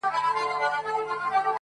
ستا سايه چي د کور مخ ته و ولاړه,